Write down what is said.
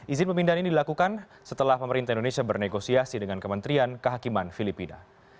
izin pemindahan ini dilakukan setelah pemerintah indonesia bernegosiasi dengan kementerian kehakiman filipina